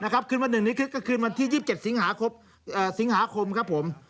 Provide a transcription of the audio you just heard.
คืนวันหนึ่งนี้คือคืนวันที่๒๗สิงหาคมครับผม